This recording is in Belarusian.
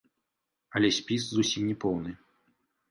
Але спіс зусім не поўны.